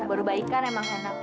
baru baikan emang enak